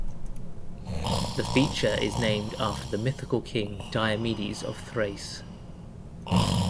The feature is named after the mythical king Diomedes of Thrace.